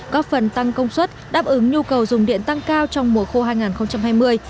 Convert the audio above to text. góp phần tăng công suất đáp ứng nhu cầu dùng điện tăng cao trong mùa khô hai nghìn hai mươi